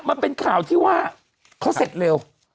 ต่อที่ว่าเขาเสร็จเร็ว